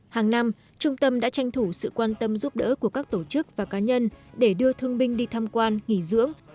hàng năm trung tâm đã tranh thủ sự quan tâm giúp đỡ của các tổ chức và cá nhân để đưa thương binh đi tham quan nghỉ dưỡng